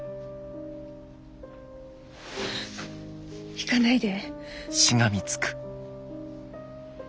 行かないで。